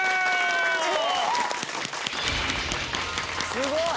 すごい！